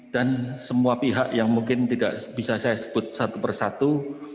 dan semua pihak yang mungkin tidak bisa saya sebut satu persatu